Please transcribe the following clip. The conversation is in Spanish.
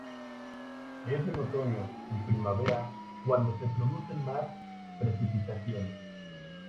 Es en otoño y primavera cuando se producen más precipitaciones.